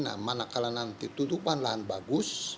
nah mana kalau nanti tutupan lahan bagus